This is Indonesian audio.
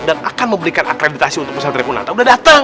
dan akan memberikan akreditasi untuk peserta rekun antak udah dateng